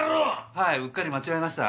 はいうっかり間違えました。